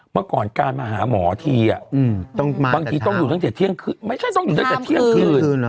เมื่อก่อนการมาหาหมอทีบางทีต้องอยู่ตั้งแต่เที่ยงคืนไม่ใช่ต้องอยู่ตั้งแต่เที่ยงคืน